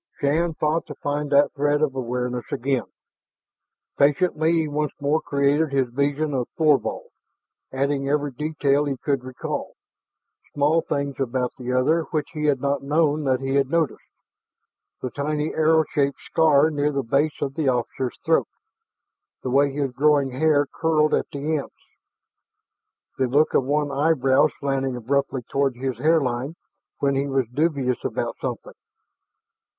Shann fought to find that thread of awareness again. Patiently he once more created his vision of Thorvald, adding every detail he could recall, small things about the other which he had not known that he had noticed the tiny arrow shaped scar near the base of the officer's throat, the way his growing hair curled at the ends, the look of one eyebrow slanting abruptly toward his hairline when he was dubious about something.